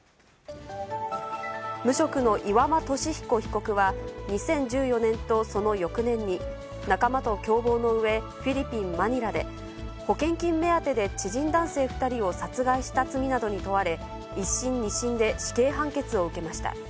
無職の岩間俊彦被告は、２０１４年とその翌年に、仲間と共謀のうえ、フィリピン・マニラで、保険金目当てで知人男性２人を殺害した罪などに問われ、１審、２審で死刑判決を受けました。